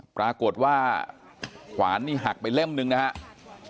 ปรากฏว่าขวานนี่หักไปเล่มหนึ่งนะครับ